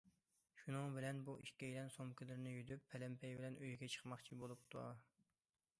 شۇنىڭ بىلەن بۇ ئىككىيلەن سومكىلىرىنى يۈدۈپ پەلەمپەي بىلەن ئۆيىگە چىقماقچى بولۇپتۇ.